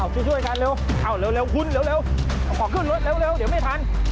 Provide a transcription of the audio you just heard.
ช่วยกันเร็วคุณเร็วของขึ้นรถเร็วเดี๋ยวไม่ทัน